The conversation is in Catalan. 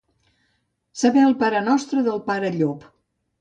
Saber el parenostre del pare Llop.